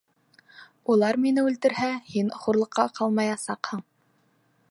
Улар мине үлтерһә, һин хурлыҡҡа ҡалмаясаҡһың.